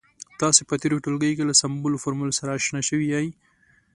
تاسې په تیرو ټولګیو کې له سمبول، فورمول سره اشنا شوي يئ.